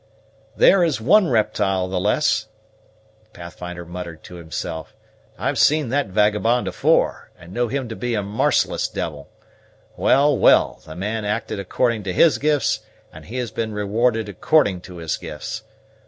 "There is one riptyle the less," Pathfinder muttered to himself; "I've seen that vagabond afore, and know him to be a marciless devil. Well, well! the man acted according to his gifts, and he has been rewarded according to his gifts.